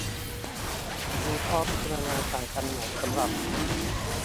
มีข้อพิจารณาต่างกันไหม สำหรับ